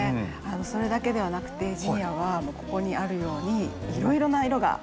それだけではなくてジニアはここにあるようにいろいろな色があるんですよね。